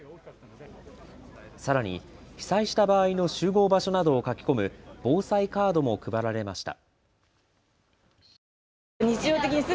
さらに被災した場合の集合場所などを書き込む防災カードも配られました。